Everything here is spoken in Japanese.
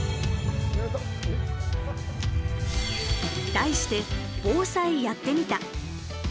題して「＃防災やってみた」。